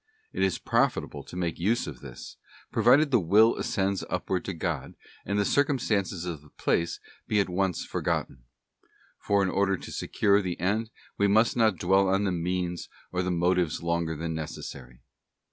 It is profitable to make use of this, pro vided the will ascends upwards to God, and the circumstances of the place be at once forgotten. For in order to secure the end we must not dwell on the means or the motives longer than necessary.